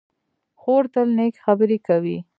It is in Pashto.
خور تل نېکې خبرې کوي.